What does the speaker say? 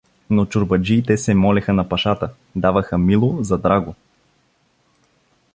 Но чорбаджиите се молеха на пашата, даваха мило за драго.